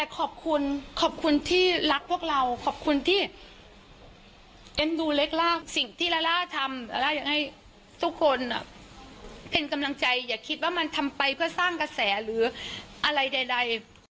คนที่เอ็นดูเล็กสิ่งที่ลาล่าทำลาล่าอยากให้ทุกคนเป็นกำลังใจอย่าคิดว่ามันทำไปเพื่อสร้างกระแสหรืออะไรใด